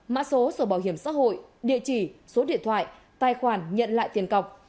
mã số sổ bảo hiểm xã hội địa chỉ số điện thoại tài khoản nhận lại tiền cọc